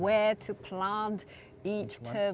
beritahu saya sedikit lebih tentang ini